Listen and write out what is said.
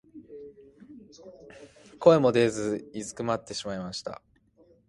二疋はまるで声も出ず居すくまってしまいました。